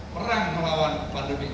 perang melawan pandemi